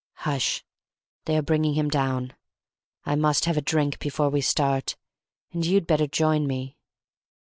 Hush! They are bringing him down. I must have a drink before we start, and you'd better join me."